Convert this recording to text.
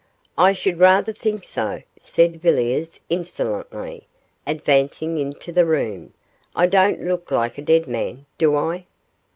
'I should rather think so,' said Villiers, insolently, advancing into the room; 'I don't look like a dead man, do I?